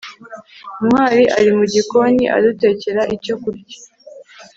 ntwali ari mu gikoni adutekera icyo kurya